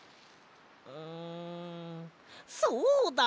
んそうだ！